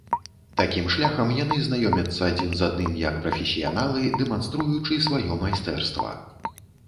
Такім шляхам яны знаёмяцца адзін з адным як прафесіяналы, дэманструючы сваё майстэрства.